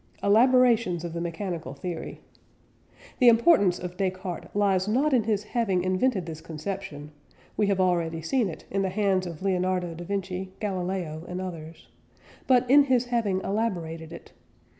ELABORATIONS OF THE MECHANICAL THEORY. The importance of Descartes lies not in his having invented this conception (we have already seen it in the hands of Leonardo da Vinci, Galileo, and others), but in his having elaborated it.